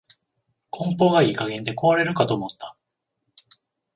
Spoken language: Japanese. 梱包がいい加減で壊れるかと思った